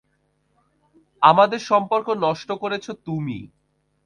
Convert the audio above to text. আমাদের সম্পর্ক নষ্ট করেছো তুমি।